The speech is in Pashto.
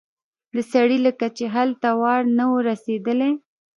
د سړي لکه چې هلته وار نه و رسېدلی.